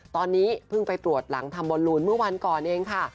ตอนนี้เพิ่งไปตรวจหลังทำบอลลูนเมื่อวันก่อนเองค่ะ